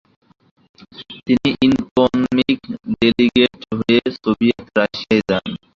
তিনি economic delegate হয়ে Soviet Russia যান।